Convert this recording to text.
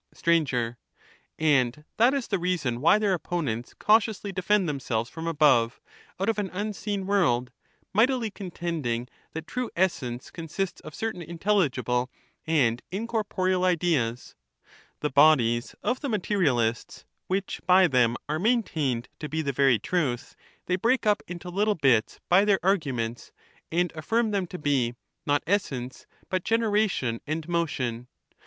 Str, And that is the reason why their opponents cautiously defend themselves from above, out of an unseen world, mightily contending that true essence consists of certain Digitized by VjOOQIC Examination of the materialists, 377 intelligible and incorporeal ideas ; the bodies of the material Sophist. ists, which by them are maintained to be the very truth, they Stkamger, break up into little bits by their arguments, and aflBrm them theaet«tus. to be, not essence, but generation and motion.